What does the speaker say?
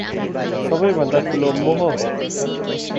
सबै भन्दा ठूलो मोह हो ।